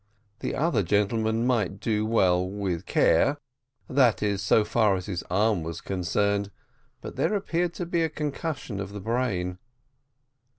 The other gentleman might do well with care; that is, as far as his arm was concerned, but there appeared to be a concussion of the brain.